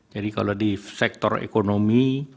jadi kalau di sektor ekonomi